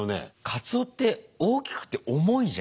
カツオって大きくて重いじゃん。